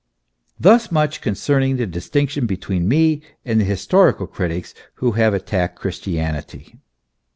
Thus much con cerning the distinction between me and the historical critics who have attacked Christianity.